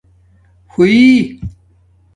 بݸئݶ